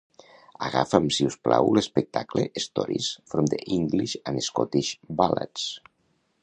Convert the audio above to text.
Agafa'm si us plau l'espectacle Stories from the English and Scottish Ballads.